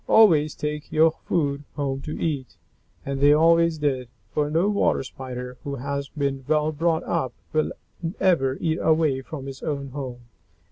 "Always take your food home to eat." And they always did, for no Water Spider who has been well brought up will ever eat away from his own home.